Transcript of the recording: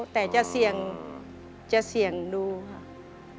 แต่จะเสี่ยงดูค่ะ